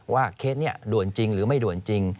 เคสนี้ด่วนจริงหรือไม่ด่วนจริง